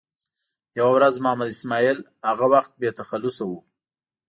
یوه ورځ محمد اسماعیل هغه وخت بې تخلصه و.